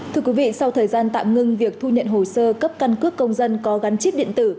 thưa quý vị sau thời gian tạm ngưng việc thu nhận hồ sơ cấp căn cước công dân có gắn chip điện tử